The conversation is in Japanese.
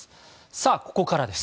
さあ、ここからです。